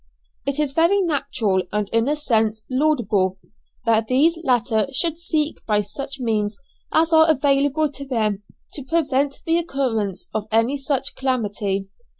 It is very natural, and in a sense, laudable, that these latter should seek by such means as are available to them to prevent the occurrence of any such calamity.